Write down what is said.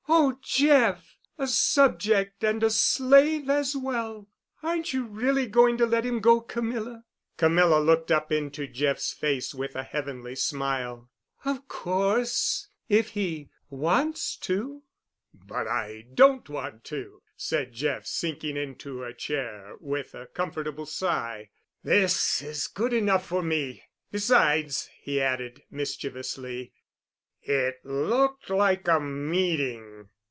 "Oh, Jeff! a subject and a slave as well! Aren't you really going to let him go, Camilla?" Camilla looked up into Jeff's face with a heavenly smile. "Of course—if he wants to." "But I don't want to," said Jeff, sinking into a chair with a comfortable sigh. "This is good enough for me. Besides," he added mischievously, "it looked like a meeting."